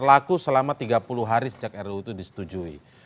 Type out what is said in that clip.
berlaku selama tiga puluh hari sejak ruu itu disetujui